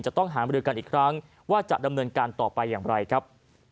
จะต้องหามรือกันอีกครั้งว่าจะดำเนินการต่อไปอย่างไรครับ